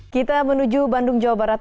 kita menuju bandung jawa barat